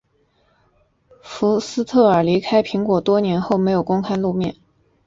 福斯特尔离开苹果多年后没有公开露面。